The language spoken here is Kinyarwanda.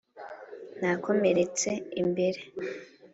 Nakomeretse imbere